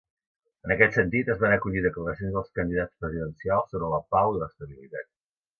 En aquest sentit, es van acollir declaracions dels candidats presidencials sobre la pau i l'estabilitat.